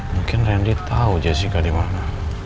mungkin randy tau jessica dimana